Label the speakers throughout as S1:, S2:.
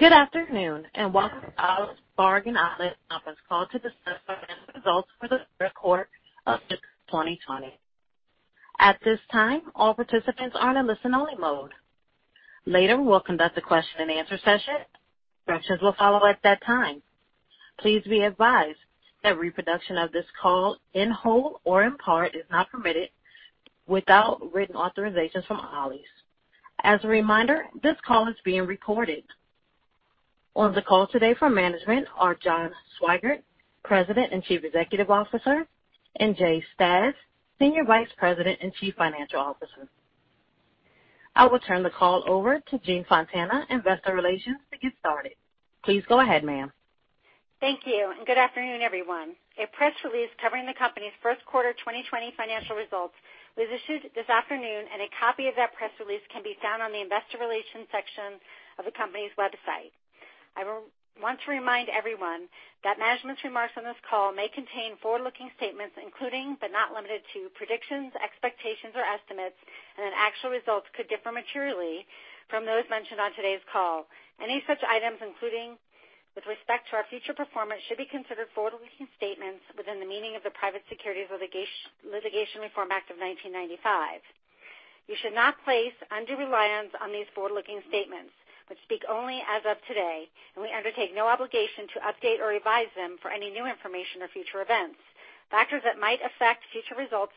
S1: Good afternoon, and welcome to Ollie's Bargain Outlet conference call to discuss our financial results for the third quarter of 2020. At this time, all participants are in a listen-only mode. Later, we will conduct a question-and-answer session. Instructions will follow at that time. Please be advised that reproduction of this call, in whole or in part, is not permitted without written authorization from Ollie's. As a reminder, this call is being recorded. On the call today from management are John Swygert, President and Chief Executive Officer, and Jay Stasz, Senior Vice President and Chief Financial Officer. I will turn the call over to Jean Fontana, Investor Relations, to get started. Please go ahead, ma'am.
S2: Thank you, and good afternoon, everyone. A press release covering the company's first quarter 2020 financial results was issued this afternoon, and a copy of that press release can be found on the Investor Relations section of the company's website. I want to remind everyone that management's remarks on this call may contain forward-looking statements, including, but not limited to, predictions, expectations, or estimates, and that actual results could differ materially from those mentioned on today's call. Any such items, including with respect to our future performance, should be considered forward-looking statements within the meaning of the Private Securities Litigation Reform Act of 1995. You should not place undue reliance on these forward-looking statements, which speak only as of today, and we undertake no obligation to update or revise them for any new information or future events. Factors that might affect future results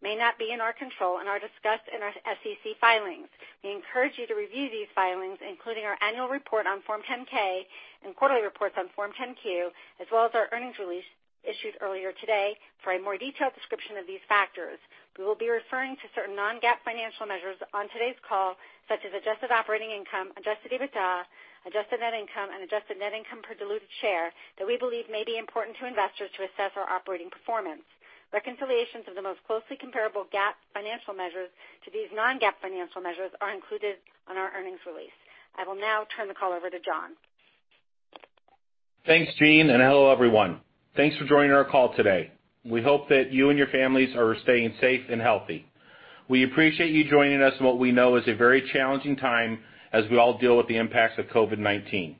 S2: may not be in our control and are discussed in our SEC filings. We encourage you to review these filings, including our annual report on Form 10-K and quarterly reports on Form 10-Q, as well as our earnings release issued earlier today for a more detailed description of these factors. We will be referring to certain non-GAAP financial measures on today's call, such as Adjusted Operating Income, Adjusted EBITDA, Adjusted Net Income, and Adjusted Net Income per diluted share that we believe may be important to investors to assess our operating performance. Reconciliations of the most closely comparable GAAP financial measures to these non-GAAP financial measures are included on our earnings release. I will now turn the call over to John.
S3: Thanks, Jean, and hello, everyone. Thanks for joining our call today. We hope that you and your families are staying safe and healthy. We appreciate you joining us in what we know is a very challenging time as we all deal with the impacts of COVID-19.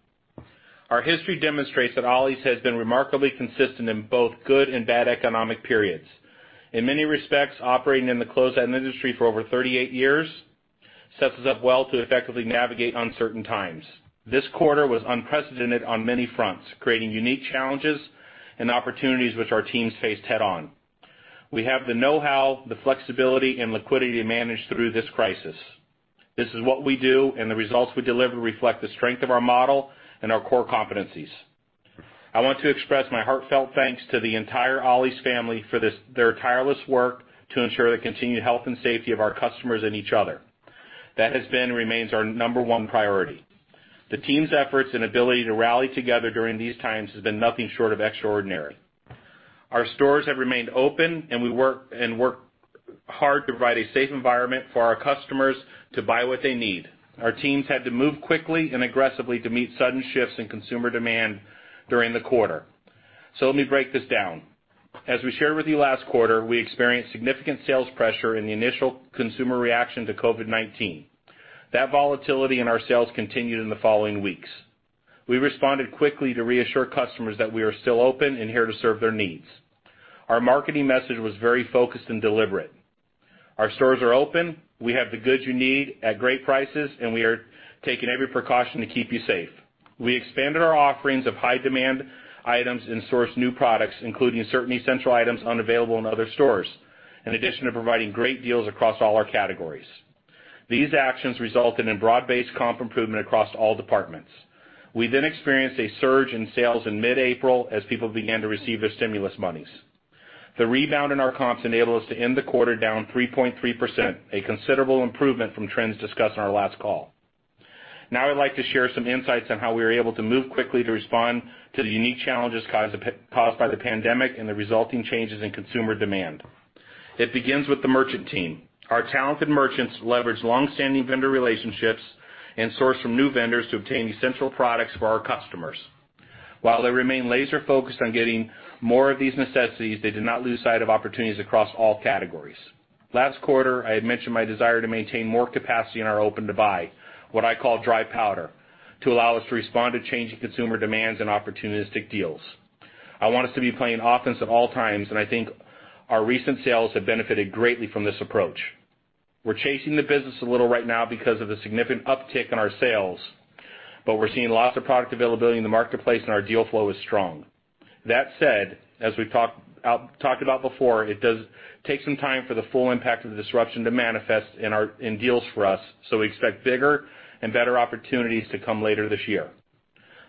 S3: Our history demonstrates that Ollie's has been remarkably consistent in both good and bad economic periods. In many respects, operating in the closeout industry for over 38 years sets us up well to effectively navigate uncertain times. This quarter was unprecedented on many fronts, creating unique challenges and opportunities which our teams faced head-on. We have the know-how, the flexibility, and liquidity to manage through this crisis. This is what we do, and the results we deliver reflect the strength of our model and our core competencies. I want to express my heartfelt thanks to the entire Ollie's family for their tireless work to ensure the continued health and safety of our customers and each other. That has been and remains our number one priority. The team's efforts and ability to rally together during these times has been nothing short of extraordinary. Our stores have remained open, and we work hard to provide a safe environment for our customers to buy what they need. Our teams had to move quickly and aggressively to meet sudden shifts in consumer demand during the quarter. So let me break this down. As we shared with you last quarter, we experienced significant sales pressure in the initial consumer reaction to COVID-19. That volatility in our sales continued in the following weeks. We responded quickly to reassure customers that we are still open and here to serve their needs. Our marketing message was very focused and deliberate. Our stores are open, we have the goods you need at great prices, and we are taking every precaution to keep you safe. We expanded our offerings of high-demand items and sourced new products, including certain essential items unavailable in other stores, in addition to providing great deals across all our categories. These actions resulted in broad-based comp improvement across all departments. We then experienced a surge in sales in mid-April as people began to receive their stimulus monies. The rebound in our comps enabled us to end the quarter down 3.3%, a considerable improvement from trends discussed on our last call. Now, I'd like to share some insights on how we were able to move quickly to respond to the unique challenges caused by the pandemic and the resulting changes in consumer demand. It begins with the merchant team. Our talented merchants leveraged longstanding vendor relationships and sourced from new vendors to obtain essential products for our customers. While they remain laser-focused on getting more of these necessities, they did not lose sight of opportunities across all categories. Last quarter, I had mentioned my desire to maintain more capacity in our open-to-buy, what I call dry powder, to allow us to respond to changing consumer demands and opportunistic deals. I want us to be playing offense at all times, and I think our recent sales have benefited greatly from this approach. We're chasing the business a little right now because of the significant uptick in our sales, but we're seeing lots of product availability in the marketplace, and our deal flow is strong. That said, as we've talked, I've talked about before, it does take some time for the full impact of the disruption to manifest in our deals for us, so we expect bigger and better opportunities to come later this year.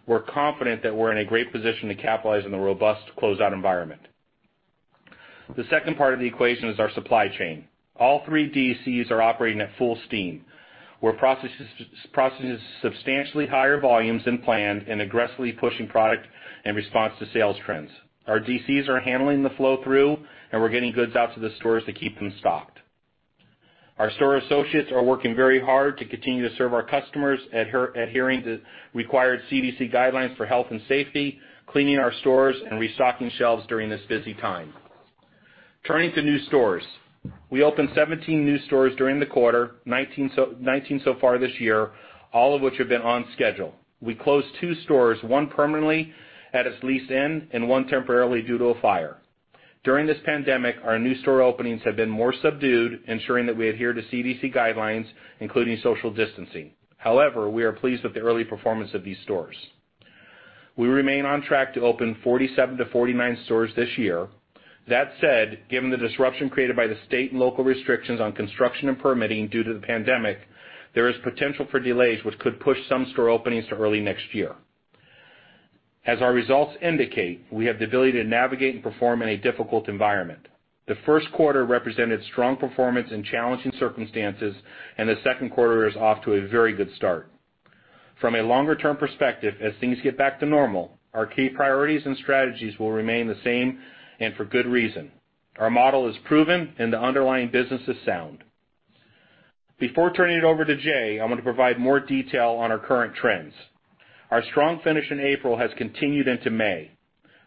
S3: We're confident that we're in a great position to capitalize on the robust closeout environment. The second part of the equation is our supply chain. All three DCs are operating at full steam. We're processing substantially higher volumes than planned and aggressively pushing product in response to sales trends. Our DCs are handling the flow-through, and we're getting goods out to the stores to keep them stocked. Our store associates are working very hard to continue to serve our customers, adhering to required CDC guidelines for health and safety, cleaning our stores, and restocking shelves during this busy time. Turning to new stores. We opened 17 new stores during the quarter, 19 so, 19 so far this year, all of which have been on schedule. We closed two stores, one permanently at its lease end and one temporarily due to a fire. During this pandemic, our new store openings have been more subdued, ensuring that we adhere to CDC guidelines, including social distancing. However, we are pleased with the early performance of these stores. We remain on track to open 47-49 stores this year. That said, given the disruption created by the state and local restrictions on construction and permitting due to the pandemic, there is potential for delays which could push some store openings to early next year. As our results indicate, we have the ability to navigate and perform in a difficult environment. The first quarter represented strong performance in challenging circumstances, and the second quarter is off to a very good start. From a longer-term perspective, as things get back to normal, our key priorities and strategies will remain the same and for good reason. Our model is proven and the underlying business is sound. Before turning it over to Jay, I want to provide more detail on our current trends. Our strong finish in April has continued into May.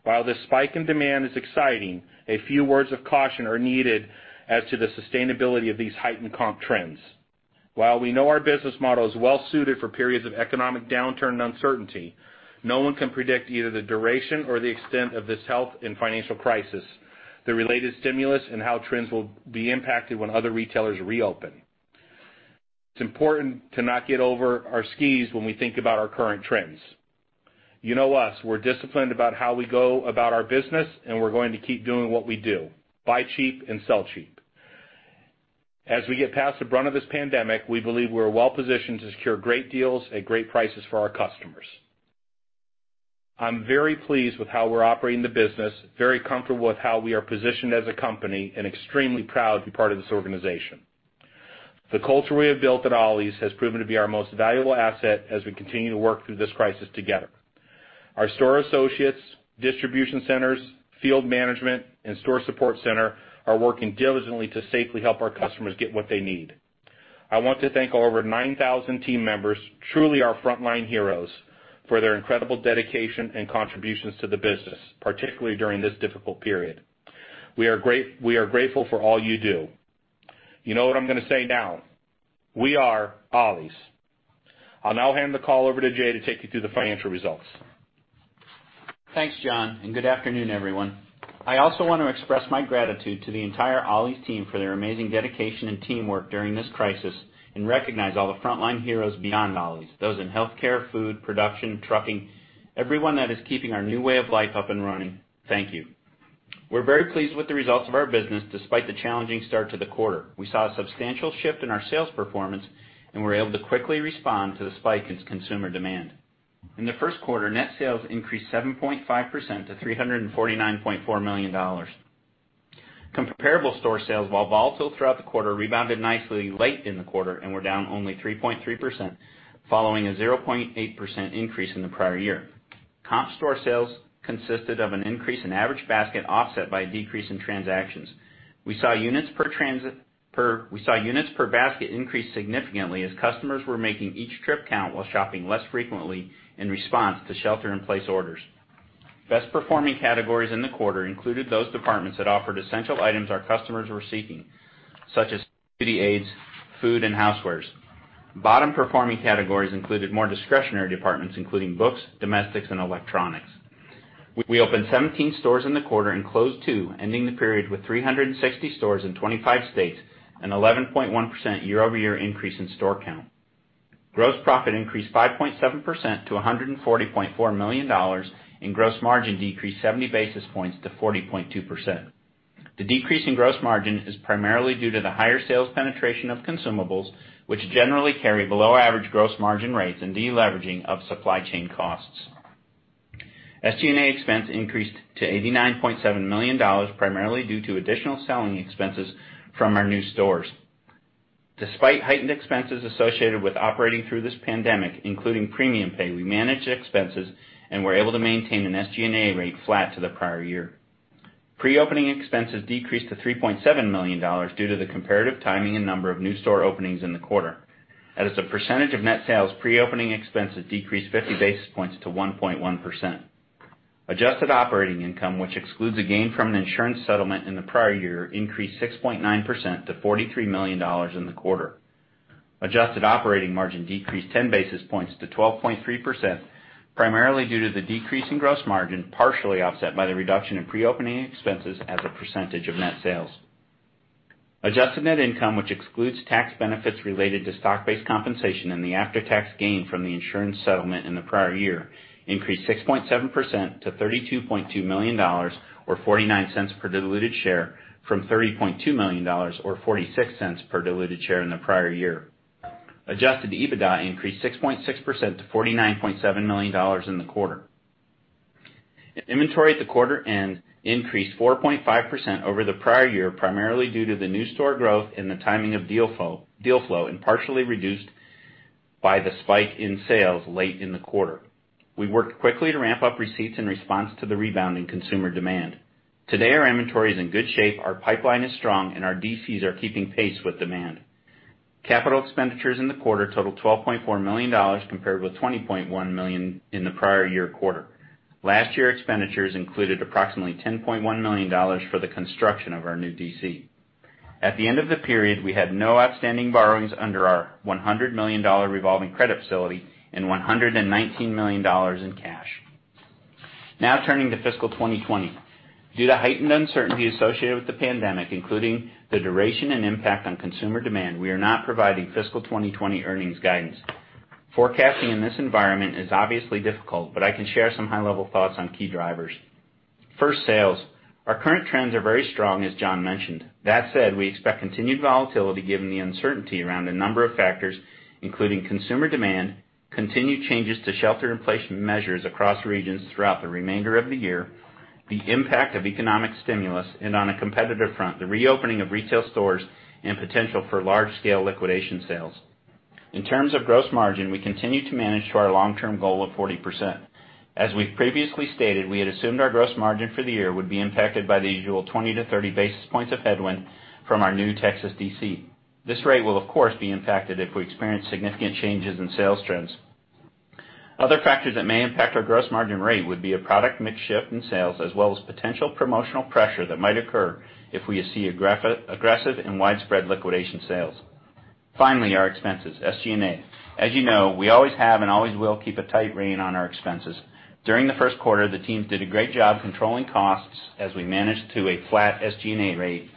S3: While the spike in demand is exciting, a few words of caution are needed as to the sustainability of these heightened comp trends. While we know our business model is well suited for periods of economic downturn and uncertainty, no one can predict either the duration or the extent of this health and financial crisis, the related stimulus, and how trends will be impacted when other retailers reopen. It's important to not get over our skis when we think about our current trends. You know us, we're disciplined about how we go about our business, and we're going to keep doing what we do, buy cheap and sell cheap. As we get past the brunt of this pandemic, we believe we are well positioned to secure great deals at great prices for our customers. I'm very pleased with how we're operating the business, very comfortable with how we are positioned as a company, and extremely proud to be part of this organization. The culture we have built at Ollie's has proven to be our most valuable asset as we continue to work through this crisis together. Our store associates, distribution centers, field management, and store support center are working diligently to safely help our customers get what they need. I want to thank our over 9,000 team members, truly our frontline heroes, for their incredible dedication and contributions to the business, particularly during this difficult period. We are grateful for all you do. You know what I'm gonna say now. We are Ollie's. I'll now hand the call over to Jay to take you through the financial results.
S4: Thanks, John, and good afternoon, everyone. I also want to express my gratitude to the entire Ollie's team for their amazing dedication and teamwork during this crisis, and recognize all the frontline heroes beyond Ollie's, those in healthcare, food, production, trucking, everyone that is keeping our new way of life up and running. Thank you. We're very pleased with the results of our business despite the challenging start to the quarter. We saw a substantial shift in our sales performance, and we were able to quickly respond to the spike in consumer demand. In the first quarter, net sales increased 7.5% to $349.4 million. Comparable store sales, while volatile throughout the quarter, rebounded nicely late in the quarter and were down only 3.3%, following a 0.8% increase in the prior year. Comp store sales consisted of an increase in average basket, offset by a decrease in transactions. We saw units per basket increase significantly as customers were making each trip count while shopping less frequently in response to shelter in place orders. Best performing categories in the quarter included those departments that offered essential items our customers were seeking, such as beauty aids, food, and housewares. Bottom-performing categories included more discretionary departments, including books, domestics, and electronics. We opened 17 stores in the quarter and closed two, ending the period with 360 stores in 25 states, an 11.1% year-over-year increase in store count. Gross profit increased 5.7% to $140.4 million, and gross margin decreased 70 basis points to 40.2%. The decrease in gross margin is primarily due to the higher sales penetration of consumables, which generally carry below average gross margin rates and deleveraging of supply chain costs. SG&A expense increased to $89.7 million, primarily due to additional selling expenses from our new stores. Despite heightened expenses associated with operating through this pandemic, including premium pay, we managed expenses and were able to maintain an SG&A rate flat to the prior year. Pre-opening expenses decreased to $3.7 million due to the comparative timing and number of new store openings in the quarter. As a percentage of net sales, pre-opening expenses decreased 50 basis points to 1.1%. Adjusted operating income, which excludes a gain from an insurance settlement in the prior year, increased 6.9% to $43 million in the quarter. Adjusted operating margin decreased 10 basis points to 12.3%, primarily due to the decrease in gross margin, partially offset by the reduction in pre-opening expenses as a percentage of net sales. Adjusted net income, which excludes tax benefits related to stock-based compensation and the after-tax gain from the insurance settlement in the prior year, increased 6.7% to $32.2 million, or $0.49 per diluted share, from $30.2 million or $0.46 per diluted share in the prior year. Adjusted EBITDA increased 6.6% to $49.7 million in the quarter. Inventory at the quarter end increased 4.5% over the prior year, primarily due to the new store growth and the timing of deal flow, and partially reduced by the spike in sales late in the quarter. We worked quickly to ramp up receipts in response to the rebound in consumer demand. Today, our inventory is in good shape, our pipeline is strong, and our DCs are keeping pace with demand. Capital expenditures in the quarter totaled $12.4 million, compared with $20.1 million in the prior year quarter. Last year's expenditures included approximately $10.1 million for the construction of our new DC. At the end of the period, we had no outstanding borrowings under our $100 million revolving credit facility and $119 million in cash. Now turning to fiscal 2020. Due to heightened uncertainty associated with the pandemic, including the duration and impact on consumer demand, we are not providing fiscal 2020 earnings guidance. Forecasting in this environment is obviously difficult, but I can share some high-level thoughts on key drivers. First, sales. Our current trends are very strong, as John mentioned. That said, we expect continued volatility given the uncertainty around a number of factors, including consumer demand, continued changes to shelter-in-place measures across regions throughout the remainder of the year, the impact of economic stimulus, and on a competitive front, the reopening of retail stores and potential for large-scale liquidation sales. In terms of gross margin, we continue to manage to our long-term goal of 40%. As we've previously stated, we had assumed our gross margin for the year would be impacted by the usual 20-30 basis points of headwind from our new Texas DC. This rate will, of course, be impacted if we experience significant changes in sales trends. Other factors that may impact our gross margin rate would be a product mix shift in sales, as well as potential promotional pressure that might occur if we see aggressive and widespread liquidation sales. Finally, our expenses, SG&A. As you know, we always have and always will keep a tight rein on our expenses. During the first quarter, the teams did a great job controlling costs as we managed to a flat SG&A rate,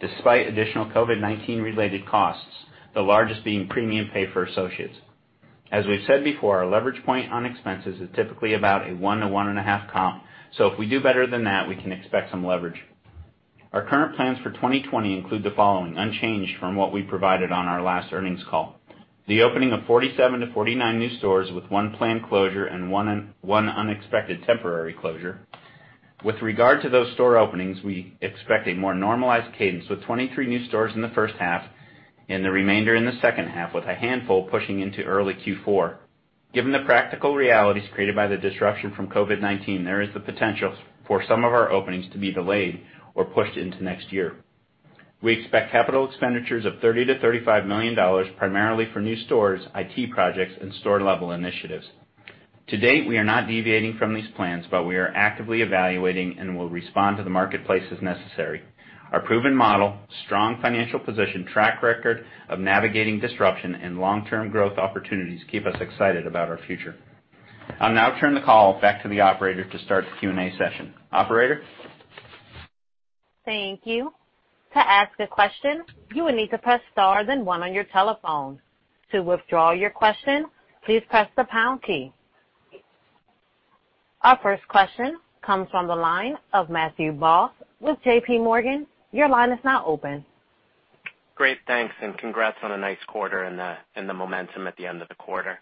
S4: despite additional COVID-19 related costs, the largest being premium pay for associates. As we've said before, our leverage point on expenses is typically about a 1-1.5 comp, so if we do better than that, we can expect some leverage. Our current plans for 2020 include the following, unchanged from what we provided on our last earnings call. The opening of 47-49 new stores with one planned closure and one unexpected temporary closure. With regard to those store openings, we expect a more normalized cadence with 23 new stores in the first half and the remainder in the second half, with a handful pushing into early Q4. Given the practical realities created by the disruption from COVID-19, there is the potential for some of our openings to be delayed or pushed into next year. We expect capital expenditures of $30 million-$35 million, primarily for new stores, IT projects, and store-level initiatives. To date, we are not deviating from these plans, but we are actively evaluating and will respond to the marketplace as necessary. Our proven model, strong financial position, track record of navigating disruption, and long-term growth opportunities keep us excited about our future. I'll now turn the call back to the operator to start the Q&A session. Operator?
S1: Thank you. To ask a question, you will need to press star then one on your telephone. To withdraw your question, please press the pound key. Our first question comes from the line of Matthew Boss with JPMorgan. Your line is now open.
S5: Great, thanks, and congrats on a nice quarter and the momentum at the end of the quarter.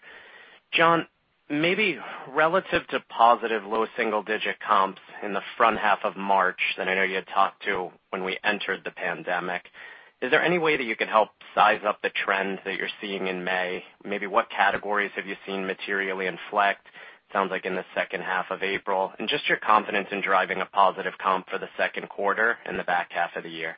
S5: John, maybe relative to positive low single-digit comps in the front half of March, that I know you had talked to when we entered the pandemic, is there any way that you could help size up the trends that you're seeing in May? Maybe what categories have you seen materially inflect, sounds like in the second half of April, and just your confidence in driving a positive comp for the second quarter and the back half of the year.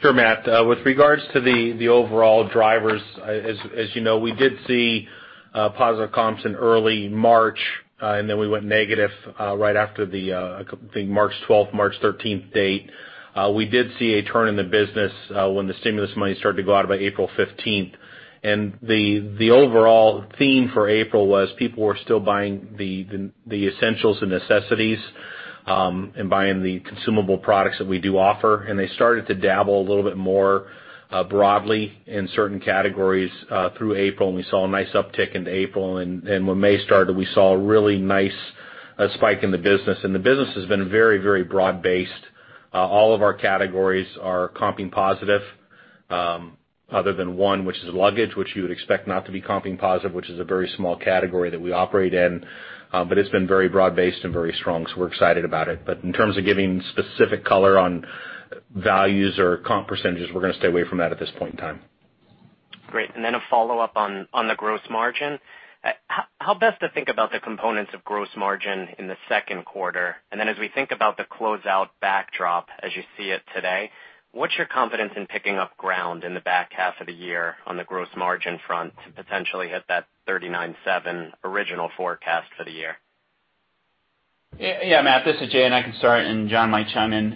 S3: Sure, Matt, with regards to the overall drivers, as you know, we did see positive comps in early March, and then we went negative right after the I think March twelfth, March thirteenth date. We did see a turn in the business when the stimulus money started to go out by April fifteenth. And the overall theme for April was people were still buying the essentials and necessities, and buying the consumable products that we do offer, and they started to dabble a little bit more broadly in certain categories through April, and we saw a nice uptick into April. And when May started, we saw a really nice spike in the business. And the business has been very, very broad-based. All of our categories are comping positive, other than one, which is luggage, which you would expect not to be comping positive, which is a very small category that we operate in. But it's been very broad-based and very strong, so we're excited about it. But in terms of giving specific color on values or comp percentages, we're gonna stay away from that at this point in time.
S5: Great. And then a follow-up on the gross margin. How best to think about the components of gross margin in the second quarter? And then as we think about the closeout backdrop, as you see it today, what's your confidence in picking up ground in the back half of the year on the gross margin front to potentially hit that 39.7% original forecast for the year?
S4: Yeah, yeah, Matt, this is Jay, and I can start, and John might chime in.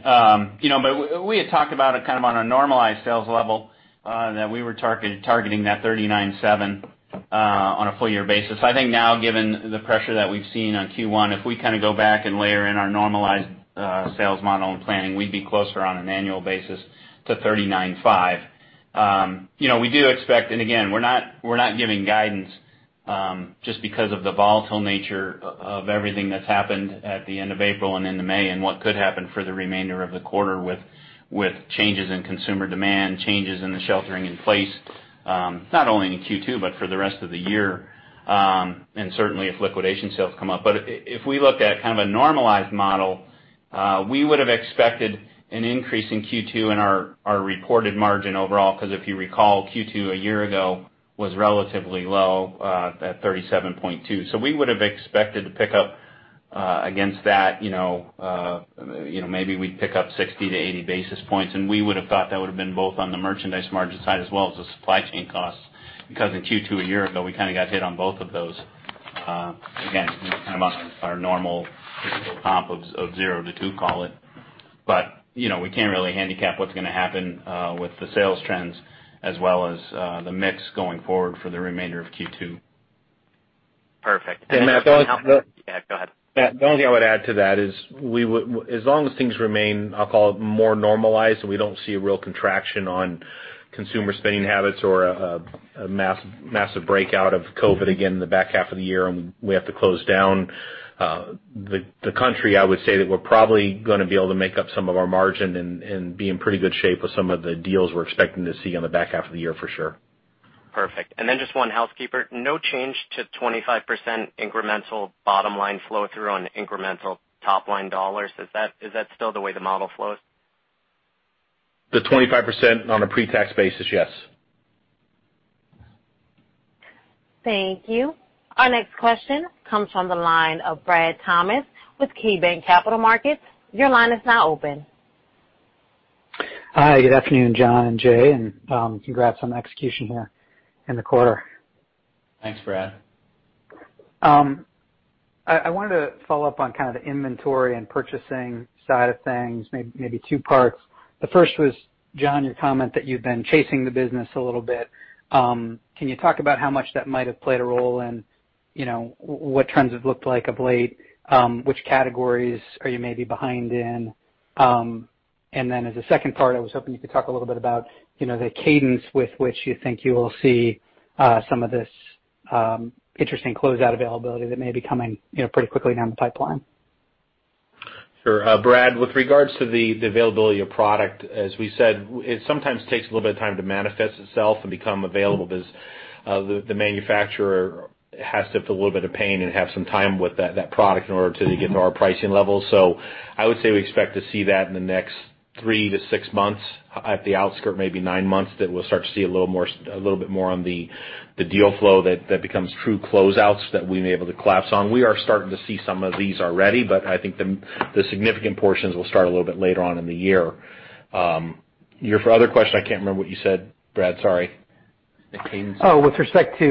S4: You know, but we had talked about it kind of on a normalized sales level, that we were targeting that 39.7%, on a full year basis. I think now, given the pressure that we've seen on Q1, if we kind of go back and layer in our normalized sales model and planning, we'd be closer on an annual basis to 39.5%. You know, we do expect, and again, we're not giving guidance just because of the volatile nature of everything that's happened at the end of April and into May, and what could happen for the remainder of the quarter with changes in consumer demand, changes in the sheltering in place, not only in Q2, but for the rest of the year, and certainly if liquidation sales come up. But if we looked at kind of a normalized model, we would have expected an increase in Q2 in our reported margin overall, 'cause if you recall, Q2 a year ago was relatively low at 37.2%. So we would have expected to pick up-... Against that, you know, you know, maybe we'd pick up 60-80 basis points, and we would have thought that would have been both on the merchandise margin side as well as the supply chain costs, because in Q2 a year ago, we kind of got hit on both of those. Again, kind of on our normal typical comp of zero to two, call it. But, you know, we can't really handicap what's gonna happen with the sales trends as well as the mix going forward for the remainder of Q2.
S5: Perfect.
S3: And the only-
S5: Yeah, go ahead.
S3: The only thing I would add to that is we would, as long as things remain, I'll call it, more normalized, and we don't see a real contraction on consumer spending habits or a massive breakout of COVID again in the back half of the year, and we have to close down the country, I would say that we're probably gonna be able to make up some of our margin and be in pretty good shape with some of the deals we're expecting to see on the back half of the year for sure.
S5: Perfect. And then just one housekeeping. No change to 25% incremental bottom line flow through on incremental top line dollars. Is that, is that still the way the model flows?
S3: The 25% on a pre-tax basis, yes.
S1: Thank you. Our next question comes from the line of Brad Thomas with KeyBanc Capital Markets. Your line is now open.
S6: Hi, good afternoon, John and Jay, and, congrats on the execution here in the quarter.
S4: Thanks, Brad.
S6: I wanted to follow up on kind of the inventory and purchasing side of things, maybe two parts. The first was, John, your comment that you've been chasing the business a little bit. Can you talk about how much that might have played a role in, you know, what trends have looked like of late? Which categories are you maybe behind in? And then as a second part, I was hoping you could talk a little bit about, you know, the cadence with which you think you will see some of this interesting closeout availability that may be coming, you know, pretty quickly down the pipeline.
S3: Sure. Brad, with regards to the availability of product, as we said, it sometimes takes a little bit of time to manifest itself and become available because the manufacturer has to feel a little bit of pain and have some time with that product in order to get to our pricing level. So I would say we expect to see that in the next three to six months, at the outskirts, maybe nine months, that we'll start to see a little more, a little bit more on the deal flow that becomes true closeouts that we're able to collapse on. We are starting to see some of these already, but I think the significant portions will start a little bit later on in the year. Your other question, I can't remember what you said, Brad, sorry. The cadence.
S6: Oh, with respect to,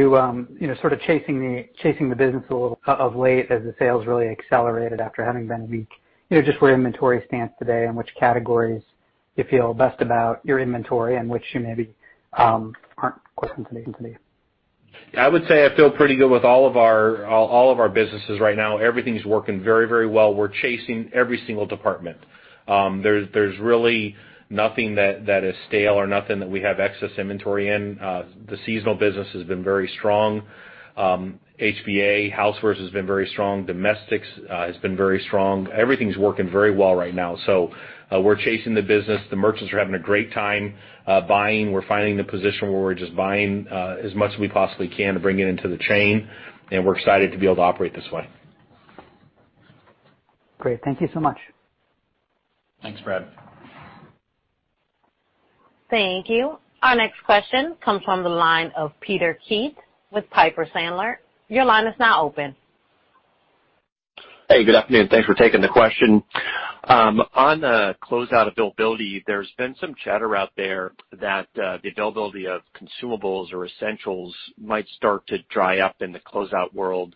S6: you know, sort of chasing the, chasing the business a little of late as the sales really accelerated after having been weak. You know, just where inventory stands today and which categories you feel best about your inventory and which you maybe aren't quite convincing to you.
S3: I would say I feel pretty good with all of our businesses right now. Everything's working very, very well. We're chasing every single department. There's really nothing that is stale or nothing that we have excess inventory in. The seasonal business has been very strong. HBA, Housewares, has been very strong. Domestics has been very strong. Everything's working very well right now. So, we're chasing the business. The merchants are having a great time buying. We're finding the position where we're just buying as much as we possibly can to bring it into the chain, and we're excited to be able to operate this way.
S6: Great. Thank you so much.
S4: Thanks, Brad.
S1: Thank you. Our next question comes from the line of Peter Keith with Piper Sandler. Your line is now open.
S7: Hey, good afternoon. Thanks for taking the question. On the closeout availability, there's been some chatter out there that the availability of consumables or essentials might start to dry up in the closeout world.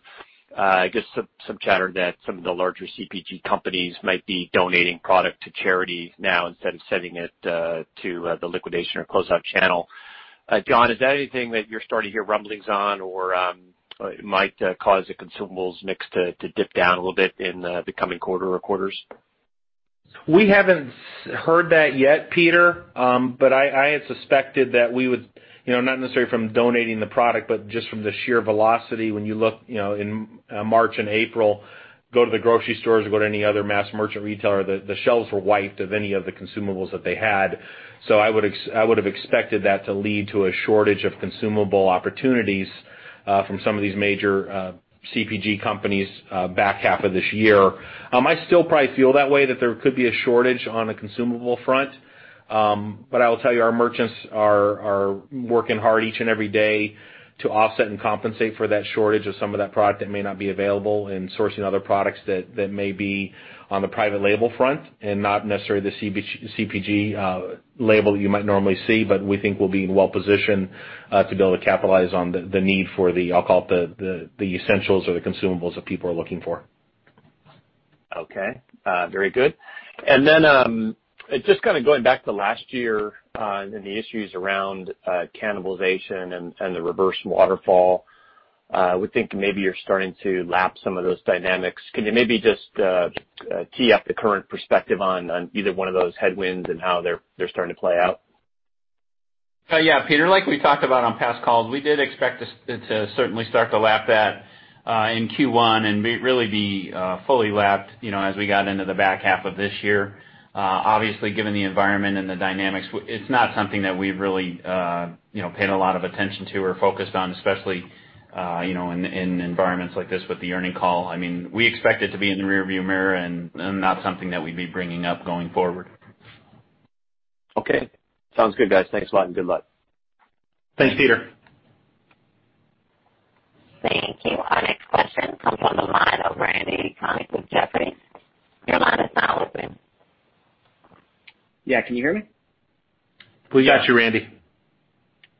S7: I guess, some chatter that some of the larger CPG companies might be donating product to charity now instead of sending it to the liquidation or closeout channel. John, is that anything that you're starting to hear rumblings on, or it might cause the consumables mix to dip down a little bit in the coming quarter or quarters?
S3: We haven't heard that yet, Peter. But I had suspected that we would, you know, not necessarily from donating the product, but just from the sheer velocity, when you look, you know, in March and April, go to the grocery stores or go to any other mass merchant retailer, the shelves were wiped of any of the consumables that they had. So I would have expected that to lead to a shortage of consumable opportunities from some of these major CPG companies back half of this year. I still probably feel that way, that there could be a shortage on the consumable front. But I will tell you, our merchants are working hard each and every day to offset and compensate for that shortage of some of that product that may not be available and sourcing other products that may be on the private label front and not necessarily the CPG label you might normally see, but we think we'll be well positioned to be able to capitalize on the need for the, I'll call it, the essentials or the consumables that people are looking for.
S7: Okay, very good. And then, just kind of going back to last year, and the issues around cannibalization and the reverse waterfall, I would think maybe you're starting to lap some of those dynamics. Can you maybe just tee up the current perspective on either one of those headwinds and how they're starting to play out?
S4: Yeah, Peter, like we talked about on past calls, we did expect it to certainly start to lap that in Q1 and really be fully lapped, you know, as we got into the back half of this year. Obviously, given the environment and the dynamics, it's not something that we've really, you know, paid a lot of attention to or focused on, especially, you know, in environments like this with the earnings call. I mean, we expect it to be in the rearview mirror and not something that we'd be bringing up going forward.
S7: Okay, sounds good, guys. Thanks a lot, and good luck.
S3: Thanks, Peter.
S1: Thank you. Our next question comes from the line of Randy Konik with Jefferies. Your line is now open.
S8: Yeah, can you hear me?
S3: We got you, Randy.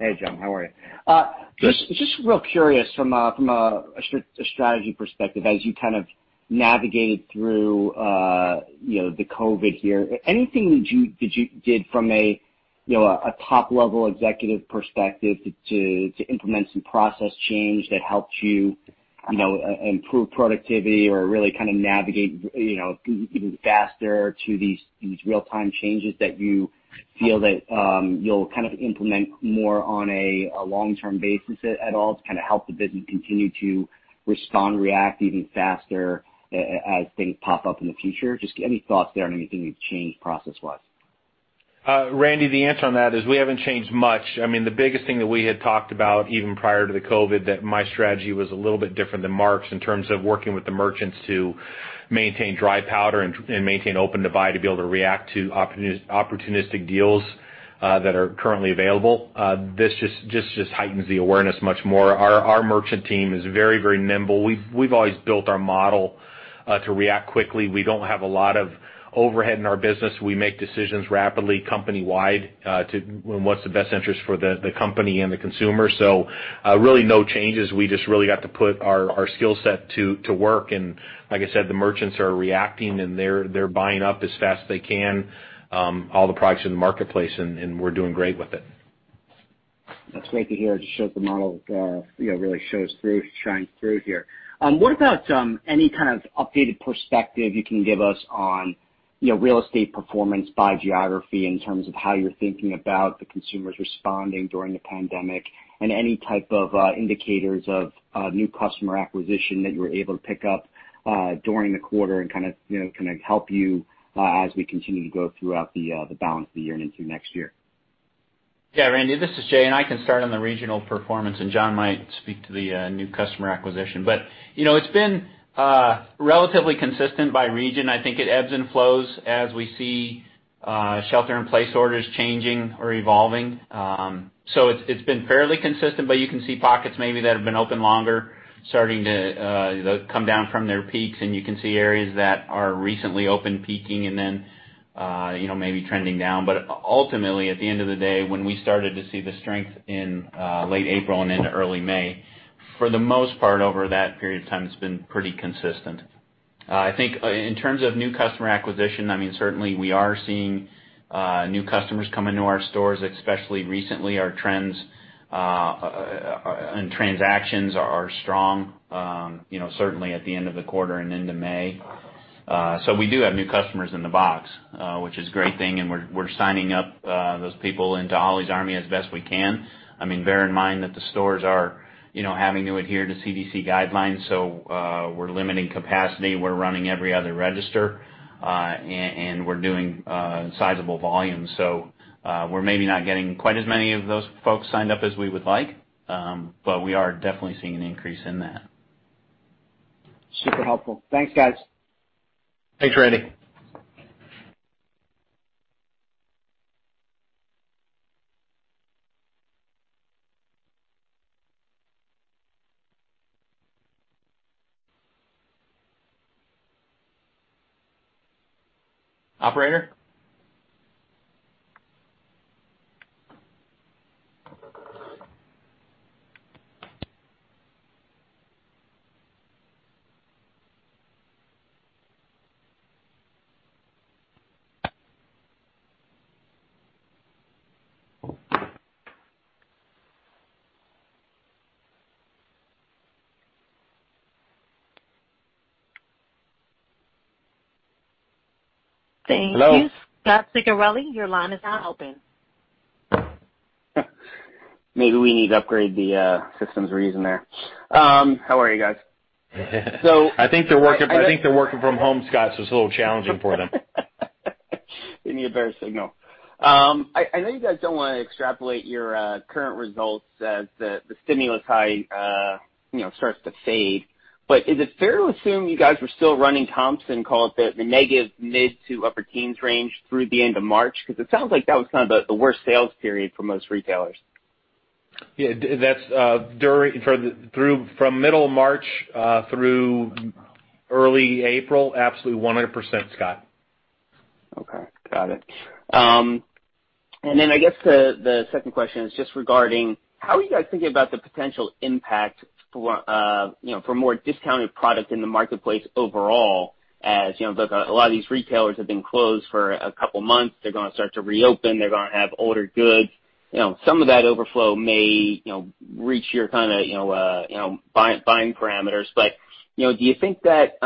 S8: Hey, John, how are you?
S3: Good.
S8: Just, just real curious from a, from a strategy perspective, as you kind of navigate through, you know, the COVID here, anything that you, that you did from a, you know, a top level executive perspective to, to, to implement some process change that helped you, you know, improve productivity or really kind of navigate, you know, even faster to these, these real-time changes that you feel that, you'll kind of implement more on a, a long-term basis at all, to kind of help the business continue to respond, react even faster as things pop up in the future? Just any thoughts there on anything you've changed process-wise?
S3: Randy, the answer on that is we haven't changed much. I mean, the biggest thing that we had talked about, even prior to the COVID, that my strategy was a little bit different than Mark's, in terms of working with the merchants to maintain dry powder and maintain open-to-buy, to be able to react to opportunistic deals that are currently available. This just heightens the awareness much more. Our merchant team is very, very nimble. We've always built our model to react quickly. We don't have a lot of overhead in our business. We make decisions rapidly, company-wide, to when what's the best interest for the company and the consumer. So, really no changes. We just really got to put our skill set to work, and like I said, the merchants are reacting, and they're buying up as fast as they can all the products in the marketplace, and we're doing great with it.
S8: That's great to hear. It just shows the model, you know, really shows through, shining through here. What about any kind of updated perspective you can give us on, you know, real estate performance by geography, in terms of how you're thinking about the consumers responding during the pandemic, and any type of indicators of new customer acquisition that you were able to pick up during the quarter and kind of, you know, kind of help you as we continue to go throughout the balance of the year and into next year?
S4: Yeah, Randy, this is Jay, and I can start on the regional performance, and John might speak to the new customer acquisition. But, you know, it's been relatively consistent by region. I think it ebbs and flows as we see shelter-in-place orders changing or evolving. So it's been fairly consistent, but you can see pockets maybe that have been open longer, starting to come down from their peaks, and you can see areas that are recently open, peaking and then, you know, maybe trending down. But ultimately, at the end of the day, when we started to see the strength in late April and into early May, for the most part, over that period of time, it's been pretty consistent. I think in terms of new customer acquisition, I mean, certainly we are seeing new customers come into our stores, especially recently. Our trends and transactions are strong, you know, certainly at the end of the quarter and into May. So we do have new customers in the box, which is a great thing, and we're signing up those people into Ollie's Army as best we can. I mean, bear in mind that the stores are, you know, having to adhere to CDC guidelines, so we're limiting capacity, we're running every other register, and we're doing sizable volumes. So we're maybe not getting quite as many of those folks signed up as we would like, but we are definitely seeing an increase in that.
S8: Super helpful. Thanks, guys.
S3: Thanks, Randy. Operator?
S1: Thank you.
S9: Hello?
S1: Scot Ciccarelli, your line is now open.
S9: Maybe we need to upgrade the systems we're using there. How are you guys?
S3: I think they're working, I think they're working from home, Scot, so it's a little challenging for them.
S9: They need a better signal. I know you guys don't wanna extrapolate your current results as the stimulus high, you know, starts to fade, but is it fair to assume you guys were still running comps in the negative mid- to upper-teens range through the end of March? Because it sounds like that was kind of the worst sales period for most retailers.
S3: Yeah, that's during, for the through, from middle March through early April, absolutely 100%, Scot.
S9: Okay, got it. And then I guess the second question is just regarding how are you guys thinking about the potential impact for, you know, for more discounted product in the marketplace overall, as, you know, like, a lot of these retailers have been closed for a couple months, they're gonna start to reopen, they're gonna have older goods. You know, some of that overflow may, you know, reach your kind of, you know, buying parameters. But, you know, do you think that,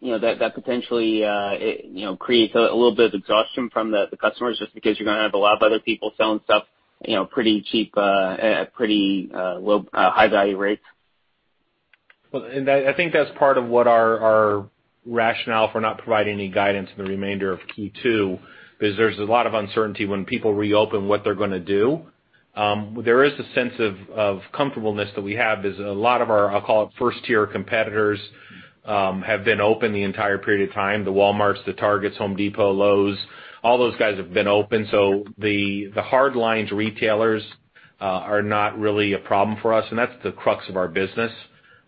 S9: you know, that potentially, it, you know, creates a little bit of exhaustion from the customers, just because you're gonna have a lot of other people selling stuff, you know, pretty cheap, at pretty low high value rates?
S3: Well, and that, I think that's part of what our rationale for not providing any guidance in the remainder of Q2, is there's a lot of uncertainty when people reopen, what they're gonna do... There is a sense of comfortableness that we have is a lot of our, I'll call it first tier competitors, have been open the entire period of time. The Walmarts, the Targets, Home Depot, Lowe's, all those guys have been open. So the hard lines retailers are not really a problem for us, and that's the crux of our business.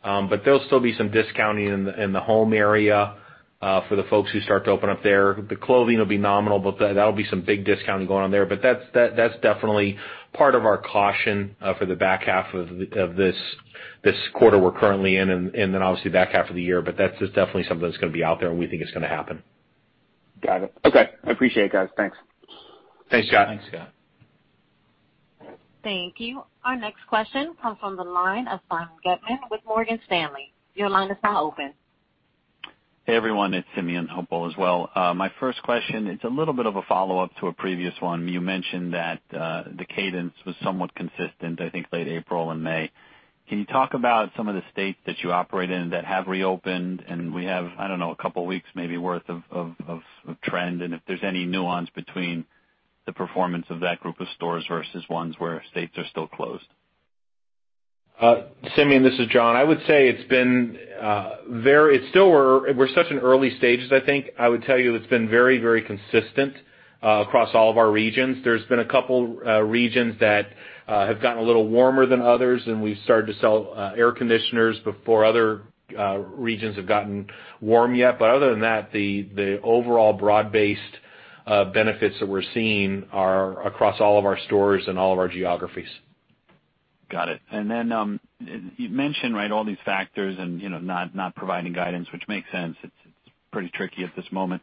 S3: But there'll still be some discounting in the home area for the folks who start to open up there. The clothing will be nominal, but that'll be some big discounting going on there. But that's, that's definitely part of our caution for the back half of this quarter we're currently in, and then, obviously, back half of the year. But that's just definitely something that's gonna be out there, and we think it's gonna happen.
S9: Got it. Okay. I appreciate it, guys. Thanks.
S3: Thanks, Scot.
S1: Thanks, Scot. Thank you. Our next question comes from the line of Simeon Gutman with Morgan Stanley. Your line is now open.
S10: Hey, everyone. It's Simeon Gutman as well. My first question, it's a little bit of a follow-up to a previous one. You mentioned that the cadence was somewhat consistent, I think, late April and May. Can you talk about some of the states that you operate in that have reopened, and we have, I don't know, a couple weeks maybe worth of trend, and if there's any nuance between the performance of that group of stores versus ones where states are still closed?
S3: Simeon, this is John. I would say it's been very—it's still we're, we're such an early stages, I think. I would tell you it's been very, very consistent across all of our regions. There's been a couple regions that have gotten a little warmer than others, and we've started to sell air conditioners before other regions have gotten warm yet. But other than that, the overall broad-based benefits that we're seeing are across all of our stores and all of our geographies.
S10: Got it. And then, you mentioned, right, all these factors and, you know, not providing guidance, which makes sense. It's pretty tricky at this moment.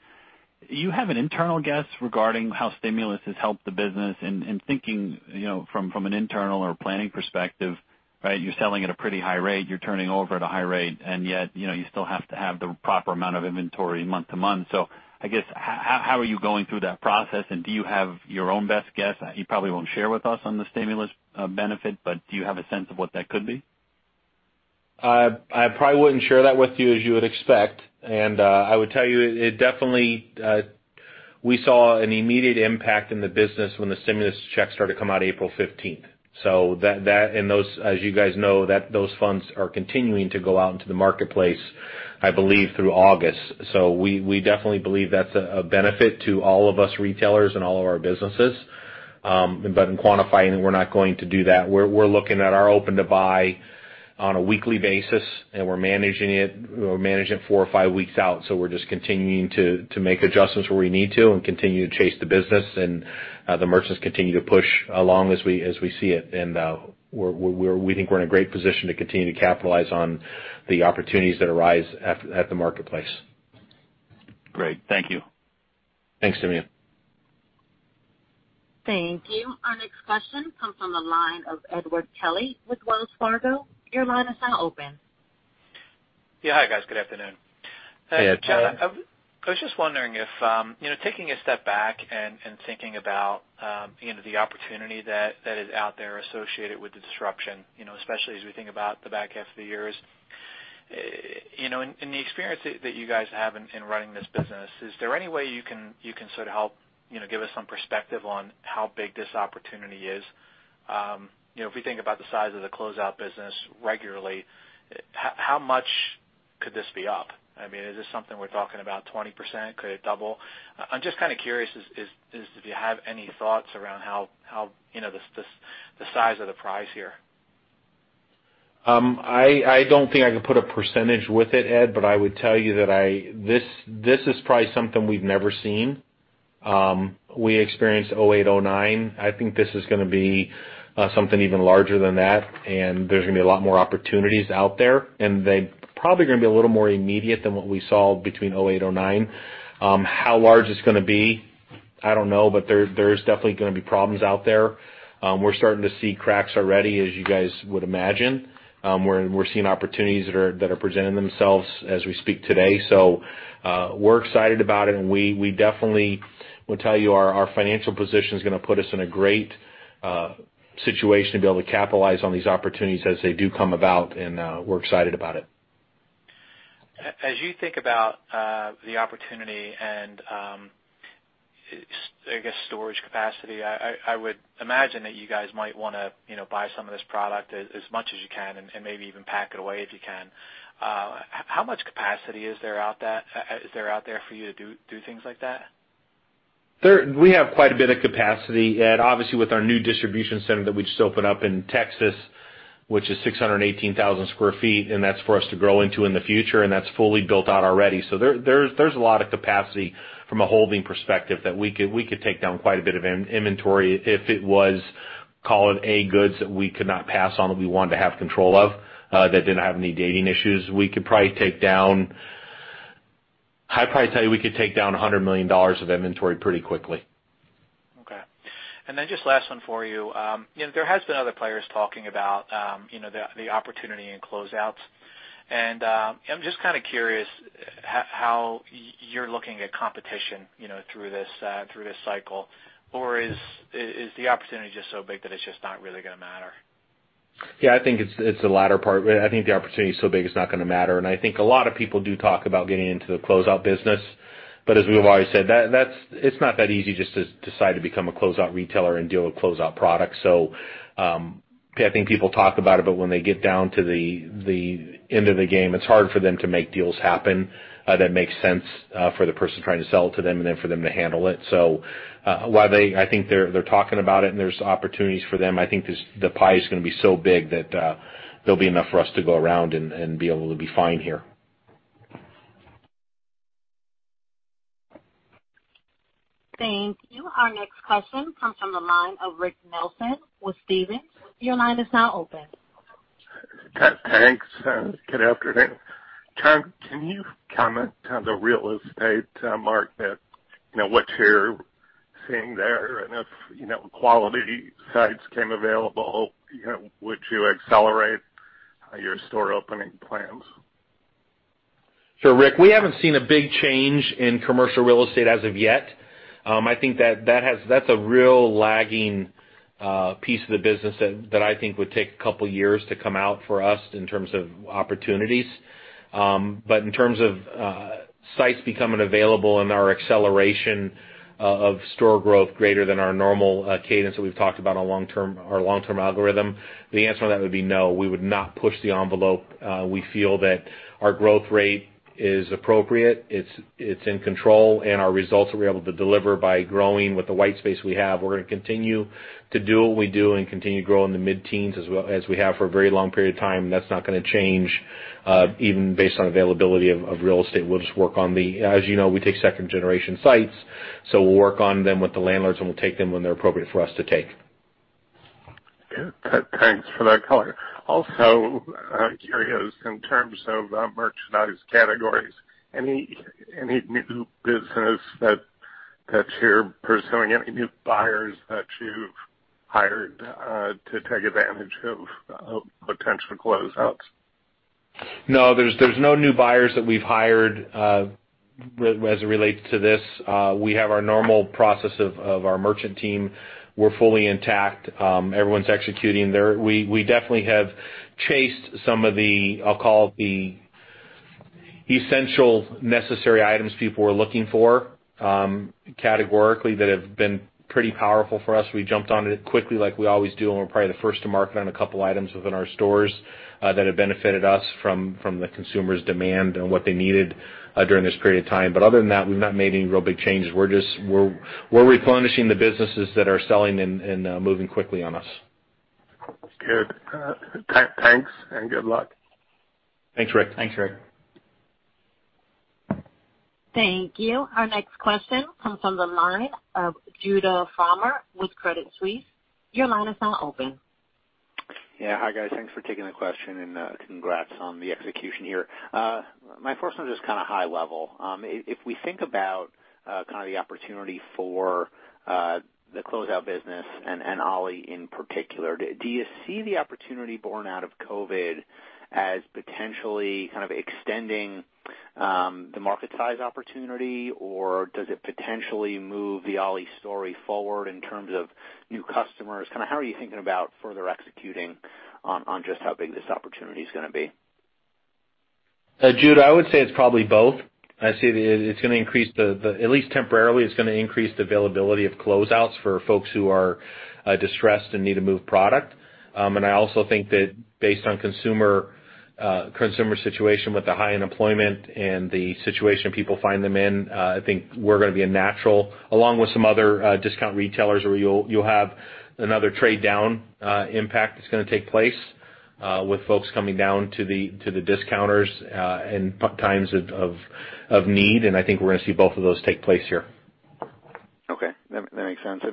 S10: You have an internal guess regarding how stimulus has helped the business and thinking, you know, from an internal or planning perspective, right? You're selling at a pretty high rate, you're turning over at a high rate, and yet, you know, you still have to have the proper amount of inventory month to month. So I guess, how are you going through that process, and do you have your own best guess? You probably won't share with us on the stimulus benefit, but do you have a sense of what that could be?
S3: I probably wouldn't share that with you, as you would expect. And I would tell you, it definitely, we saw an immediate impact in the business when the stimulus checks started to come out April 15. So that and those, as you guys know, that those funds are continuing to go out into the marketplace, I believe, through August. So we definitely believe that's a benefit to all of us retailers and all of our businesses. But in quantifying, we're not going to do that. We're looking at our open-to-buy on a weekly basis, and we're managing it four or five weeks out. So we're just continuing to make adjustments where we need to and continue to chase the business, and the merchants continue to push along as we see it. And we think we're in a great position to continue to capitalize on the opportunities that arise at the marketplace.
S10: Great. Thank you.
S3: Thanks, Simeon.
S1: Thank you. Our next question comes from the line of Edward Kelly with Wells Fargo. Your line is now open.
S11: Yeah. Hi, guys. Good afternoon.
S3: Hey, Ed.
S11: I was just wondering if, you know, taking a step back and thinking about, you know, the opportunity that is out there associated with the disruption, you know, especially as we think about the back half of the years. You know, in the experience that you guys have in running this business, is there any way you can sort of help, you know, give us some perspective on how big this opportunity is? You know, if we think about the size of the closeout business regularly, how much could this be up? I mean, is this something we're talking about 20%? Could it double? I'm just kind of curious if you have any thoughts around how, you know, the size of the prize here.
S3: I don't think I can put a percentage with it, Ed, but I would tell you that this is probably something we've never seen. We experienced 2008, 2009. I think this is gonna be something even larger than that, and there's gonna be a lot more opportunities out there, and they're probably gonna be a little more immediate than what we saw between 2008, 2009. How large it's gonna be, I don't know, but there is definitely gonna be problems out there. We're starting to see cracks already, as you guys would imagine. We're seeing opportunities that are presenting themselves as we speak today. So we're excited about it, and we definitely will tell you our financial position is gonna put us in a great situation to be able to capitalize on these opportunities as they do come about, and we're excited about it.
S11: As you think about the opportunity and, I guess, storage capacity, I would imagine that you guys might wanna, you know, buy some of this product as much as you can, and maybe even pack it away if you can. How much capacity is there out there for you to do things like that?
S3: We have quite a bit of capacity, Ed. Obviously, with our new distribution center that we just opened up in Texas, which is 618,000 sq ft, and that's for us to grow into in the future, and that's fully built out already. So there's a lot of capacity from a holding perspective that we could take down quite a bit of inventory. If it was, call it, A goods that we could not pass on, that we wanted to have control of, that didn't have any dating issues, we could probably take down, I'd probably tell you we could take down $100 million of inventory pretty quickly.
S11: Okay. And then just last one for you. You know, there has been other players talking about, you know, the opportunity in closeouts, and, I'm just kind of curious how you're looking at competition, you know, through this, through this cycle. Or is the opportunity just so big that it's just not really-
S3: Yeah, I think it's the latter part. I think the opportunity is so big, it's not gonna matter. I think a lot of people do talk about getting into the closeout business, but as we've always said, that's. It's not that easy just to decide to become a closeout retailer and deal with closeout products. I think people talk about it, but when they get down to the end of the game, it's hard for them to make deals happen that makes sense for the person trying to sell it to them and then for them to handle it. So, while they, I think they're, they're talking about it and there's opportunities for them, I think this, the pie is gonna be so big that there'll be enough for us to go around and, and be able to be fine here.
S1: Thank you. Our next question comes from the line of Rick Nelson with Stephens. Your line is now open.
S12: Thanks, and good afternoon. Can you comment on the real estate market? You know, what you're seeing there, and if, you know, quality sites came available, you know, would you accelerate your store opening plans?
S3: Sure, Rick, we haven't seen a big change in commercial real estate as of yet. I think that that has-- that's a real lagging piece of the business that I think would take a couple of years to come out for us in terms of opportunities. But in terms of sites becoming available and our acceleration of store growth greater than our normal cadence that we've talked about on long term- our long-term algorithm, the answer to that would be no, we would not push the envelope. We feel that our growth rate is appropriate, it's in control, and our results will be able to deliver by growing with the white space we have. We're gonna continue to do what we do and continue to grow in the mid-teens as well as we have for a very long period of time. That's not gonna change, even based on availability of real estate. We'll just work on, as you know, we take second-generation sites, so we'll work on them with the landlords, and we'll take them when they're appropriate for us to take.
S12: Thanks for that color. Also, I'm curious, in terms of, merchandise categories, any new business that you're pursuing, any new buyers that you've hired, to take advantage of, potential closeouts?
S3: No, there's no new buyers that we've hired, as it relates to this. We have our normal process of our merchant team. We're fully intact. Everyone's executing there. We definitely have chased some of the, I'll call it, the essential necessary items people were looking for, categorically, that have been pretty powerful for us. We jumped on it quickly, like we always do, and we're probably the first to market on a couple of items within our stores, that have benefited us from the consumers' demand and what they needed, during this period of time. But other than that, we've not made any real big changes. We're just replenishing the businesses that are selling and moving quickly on us.
S12: Good. Thanks, and good luck.
S3: Thanks, Rick.
S4: Thanks, Rick.
S1: Thank you. Our next question comes from the line of Judah Frommer with Credit Suisse. Your line is now open.
S13: Yeah. Hi, guys. Thanks for taking the question, and congrats on the execution here. My first one is just kind of high level. If we think about kind of the opportunity for the closeout business and Ollie in particular, do you see the opportunity born out of COVID as potentially kind of extending the market size opportunity, or does it potentially move the Ollie story forward in terms of new customers? Kind of, how are you thinking about further executing on just how big this opportunity is gonna be?
S3: Judah, I would say it's probably both. I see it's gonna increase at least temporarily, it's gonna increase the availability of closeouts for folks who are distressed and need to move product. And I also think that based on consumer situation with the high unemployment and the situation people find them in, I think we're gonna be a natural, along with some other discount retailers, where you'll have another trade-down impact that's gonna take place with folks coming down to the discounters in times of need. And I think we're gonna see both of those take place here. Okay, that makes sense.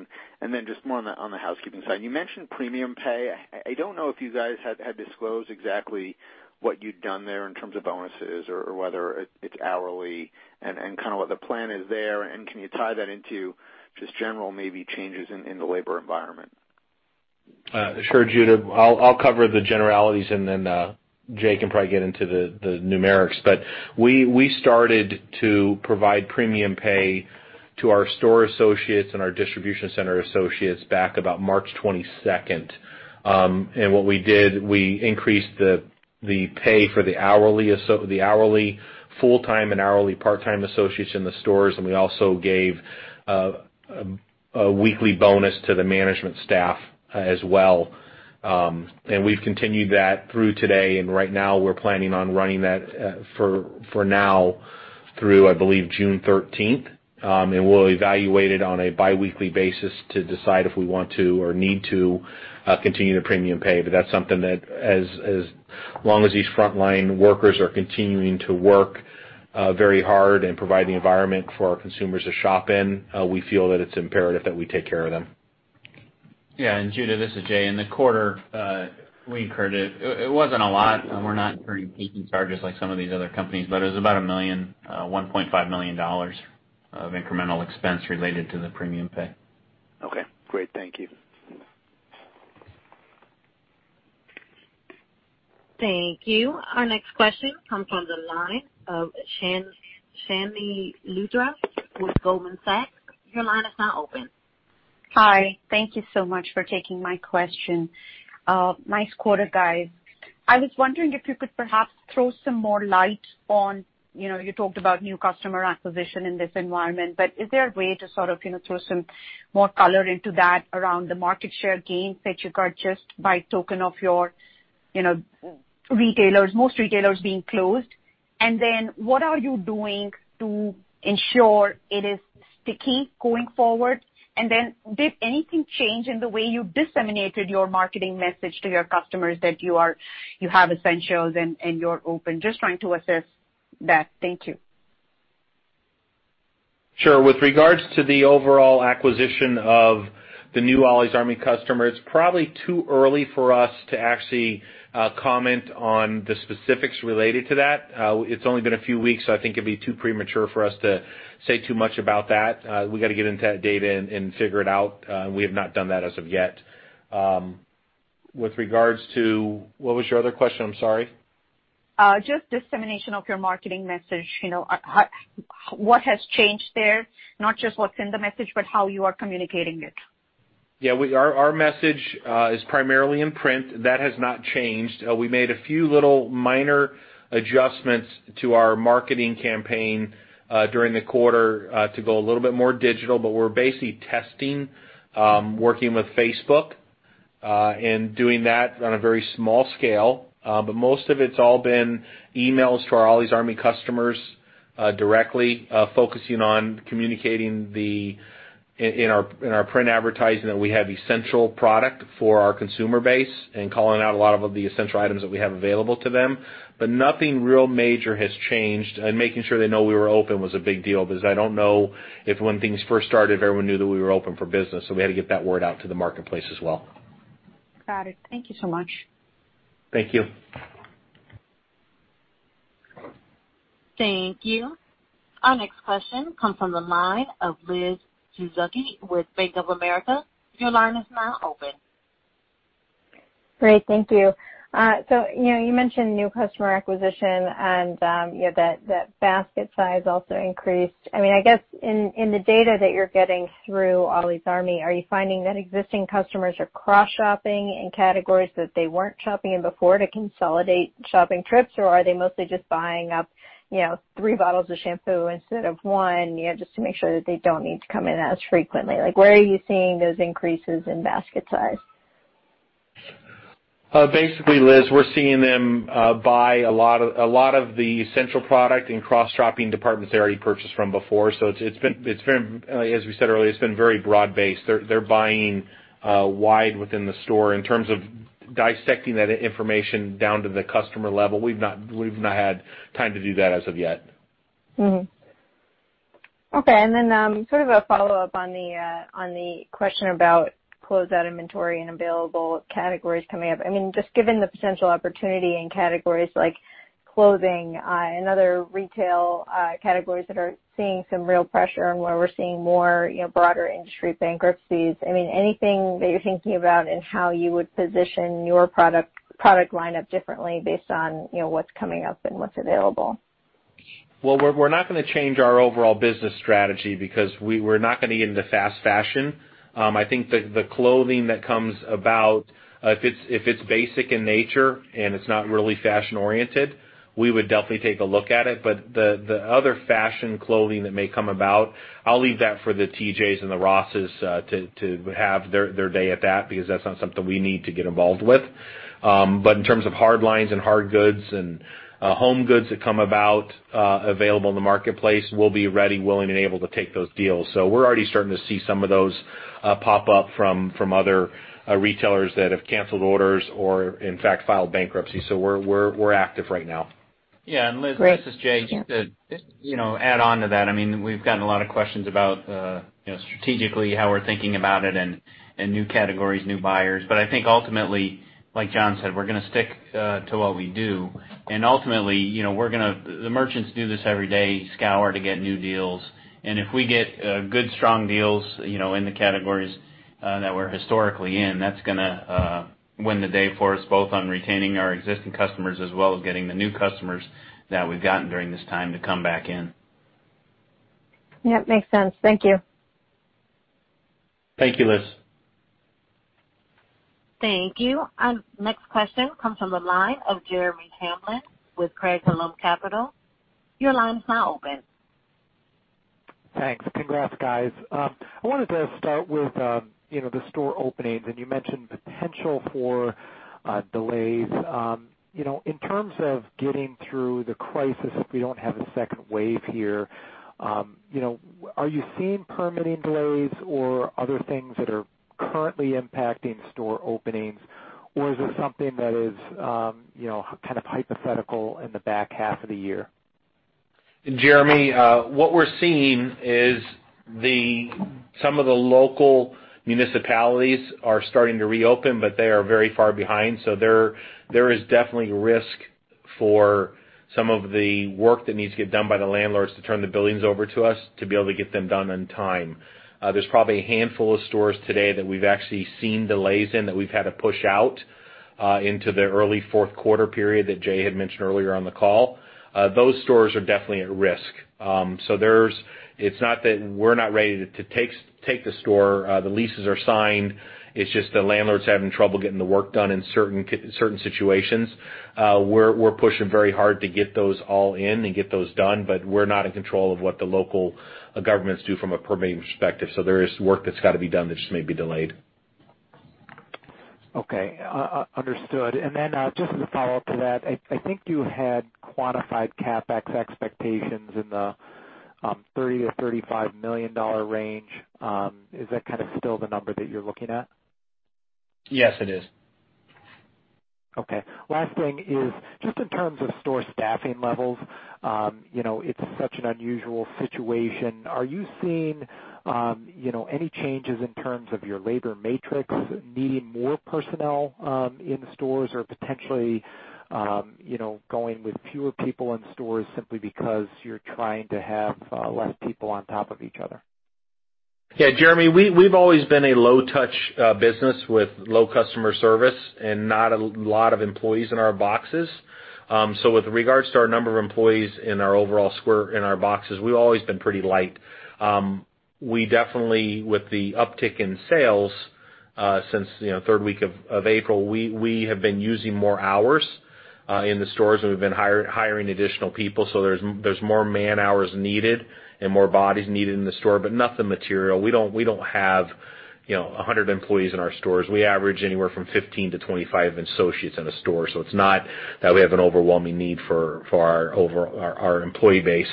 S3: And then just more on the housekeeping side. You mentioned premium pay. I don't know if you guys had disclosed exactly what you'd done there in terms of bonuses or whether it's hourly and kind of what the plan is there. And can you tie that into just general, maybe changes in the labor environment?
S14: Sure, Judah. I'll cover the generalities and then Jay can probably get into the numerics. But we started to provide premium pay to our store associates and our distribution center associates back about March 22. And what we did, we increased the pay for the hourly full-time and hourly part-time associates in the stores, and we also gave a weekly bonus to the management staff as well. And we've continued that through today, and right now we're planning on running that for now through, I believe, June 13. And we'll evaluate it on a biweekly basis to decide if we want to or need to continue the premium pay. That's something that as long as these frontline workers are continuing to work very hard and provide the environment for our consumers to shop in, we feel that it's imperative that we take care of them.
S4: Yeah, and Judah, this is Jay. In the quarter, we incurred it. It wasn't a lot. We're not incurring charges like some of these other companies, but it was about $1 million, $1.5 million of incremental expense related to the premium pay.
S13: Okay, great. Thank you.
S1: Thank you. Our next question comes from the line of Chandni Luthra with Goldman Sachs. Your line is now open.
S15: Hi. Thank you so much for taking my question. Nice quarter, guys. I was wondering if you could perhaps throw some more light on, you know, you talked about new customer acquisition in this environment, but is there a way to sort of, you know, throw some more color into that around the market share gains that you got just by token of your, you know, retailers, most retailers being closed? And then, what are you doing to ensure it is sticky going forward? And then, did anything change in the way you disseminated your marketing message to your customers that you have essentials and, and you're open? Just trying to assess that. Thank you.
S3: Sure. With regards to the overall acquisition of the new Ollie's Army customer, it's probably too early for us to actually comment on the specifics related to that. It's only been a few weeks, so I think it'd be too premature for us to say too much about that. We've got to get into that data and figure it out, and we have not done that as of yet. With regards to... What was your other question? I'm sorry.
S15: Just dissemination of your marketing message. You know, how, what has changed there? Not just what's in the message, but how you are communicating it.
S3: Yeah, our message is primarily in print. That has not changed. We made a few little minor adjustments to our marketing campaign during the quarter to go a little bit more digital, but we're basically testing, working with Facebook, and doing that on a very small scale. But most of it's all been emails to our Ollie's Army customers directly, focusing on communicating in our print advertising that we have essential product for our consumer base and calling out a lot of the essential items that we have available to them. Nothing real major has changed, and making sure they know we were open was a big deal because I don't know if when things first started, everyone knew that we were open for business, so we had to get that word out to the marketplace as well.
S15: Got it. Thank you so much.
S3: Thank you.
S1: Thank you. Our next question comes from the line of Liz Suzuki with Bank of America. Your line is now open.
S16: Great. Thank you. So, you know, you mentioned new customer acquisition and, you know, that basket size also increased. I mean, I guess in the data that you're getting through Ollie's Army, are you finding that existing customers are cross-shopping in categories that they weren't shopping in before to consolidate shopping trips? Or are they mostly just buying up, you know, three bottles of shampoo instead of one, you know, just to make sure that they don't need to come in as frequently? Like, where are you seeing those increases in basket size?
S3: Basically, Liz, we're seeing them buy a lot of, a lot of the essential product and cross-shopping departments they already purchased from before. So it's, it's been, it's very, as we said earlier, it's been very broad-based. They're, they're buying wide within the store. In terms of dissecting that information down to the customer level, we've not, we've not had time to do that as of yet.
S16: Okay, and then, sort of a follow-up on the question about closeout inventory and available categories coming up. I mean, just given the potential opportunity in categories like clothing, and other retail, categories that are seeing some real pressure and where we're seeing more, you know, broader industry bankruptcies, I mean, anything that you're thinking about in how you would position your product lineup differently based on, you know, what's coming up and what's available?
S3: Well, we're not gonna change our overall business strategy because we're not gonna get into fast fashion. I think the clothing that comes about, if it's basic in nature and it's not really fashion-oriented, we would definitely take a look at it. But the other fashion clothing that may come about, I'll leave that for the TJs and the Rosses to have their day at that, because that's not something we need to get involved with. But in terms of hard lines and hard goods and home goods that come about available in the marketplace, we'll be ready, willing, and able to take those deals. So we're already starting to see some of those pop up from other retailers that have canceled orders or, in fact, filed bankruptcy. So we're active right now.
S4: Yeah, and Liz-
S16: Great.
S4: This is Jay. Just to, you know, add on to that, I mean, we've gotten a lot of questions about, you know, strategically how we're thinking about it and, and new categories, new buyers. But I think ultimately, like John said, we're gonna stick, to what we do. And ultimately, you know, we're gonna... The merchants do this every day, scour to get new deals. And if we get, good, strong deals, you know, in the categories, that we're historically in, that's gonna, win the day for us, both on retaining our existing customers as well as getting the new customers that we've gotten during this time to come back in.
S16: Yep, makes sense. Thank you.
S3: Thank you, Liz.
S1: Thank you. Our next question comes from the line of Jeremy Hamblin with Craig-Hallum Capital Group. Your line is now open.
S17: Thanks. Congrats, guys. I wanted to start with, you know, the store openings, and you mentioned potential for delays. You know, in terms of getting through the crisis, if we don't have a second wave here, you know, are you seeing permitting delays or other things that are currently impacting store openings? Or is it something that is, you know, kind of hypothetical in the back half of the year?
S3: Jeremy, what we're seeing is, some of the local municipalities are starting to reopen, but they are very far behind, so there, there is definitely risk for some of the work that needs to get done by the landlords to turn the buildings over to us to be able to get them done on time. There's probably a handful of stores today that we've actually seen delays in, that we've had to push out into the early fourth quarter period that Jay had mentioned earlier on the call. Those stores are definitely at risk. So, it's not that we're not ready to take the store, the leases are signed, it's just the landlord's having trouble getting the work done in certain situations. We're pushing very hard to get those all in and get those done, but we're not in control of what the local governments do from a permitting perspective. So there is work that's got to be done that just may be delayed.
S17: Okay, understood. And then, just as a follow-up to that, I think you had quantified CapEx expectations in the $30 million-$35 million range. Is that kind of still the number that you're looking at?
S3: Yes, it is.
S17: Okay. Last thing is, just in terms of store staffing levels, you know, it's such an unusual situation. Are you seeing, you know, any changes in terms of your labor matrix needing more personnel, in the stores or potentially, you know, going with fewer people in stores simply because you're trying to have less people on top of each other?
S3: Yeah, Jeremy, we, we've always been a low touch business with low customer service and not a lot of employees in our boxes. So with regards to our number of employees in our overall square in our boxes, we've always been pretty light. We definitely, with the uptick in sales since, you know, third week of April, we, we have been using more hours in the stores, and we've been hiring additional people, so there's, there's more man-hours needed and more bodies needed in the store, but nothing material. We don't, we don't have, you know, 100 employees in our stores. We average anywhere from 15-25 associates in a store, so it's not that we have an overwhelming need for, for our over our, our employee base.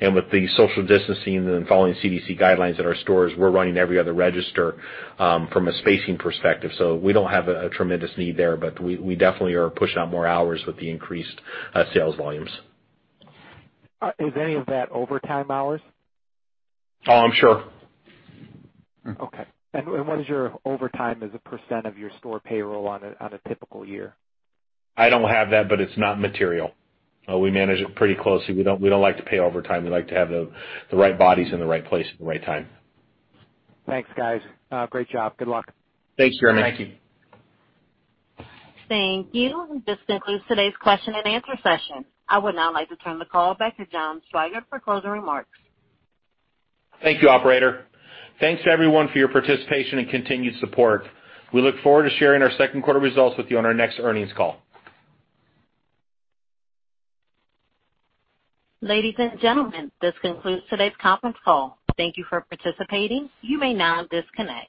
S3: And with the social distancing and following CDC guidelines at our stores, we're running every other register, from a spacing perspective. So we don't have a tremendous need there, but we definitely are pushing out more hours with the increased sales volumes.
S17: Is any of that overtime hours?
S3: Oh, I'm sure.
S17: Okay. And what is your overtime as a percentage of your store payroll on a typical year?
S3: I don't have that, but it's not material. We manage it pretty closely. We don't like to pay overtime. We like to have the right bodies in the right place at the right time.
S17: Thanks, guys. Great job. Good luck.
S3: Thanks, Jeremy.
S17: Thank you.
S1: Thank you. This concludes today's question and answer session. I would now like to turn the call back to John Swygert for closing remarks.
S3: Thank you, Operator. Thanks to everyone for your participation and continued support. We look forward to sharing our second quarter results with you on our next earnings call.
S1: Ladies and gentlemen, this concludes today's conference call. Thank you for participating. You may now disconnect.